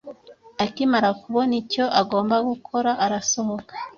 Akimara kubona icyo agomba gukora, arasohoka.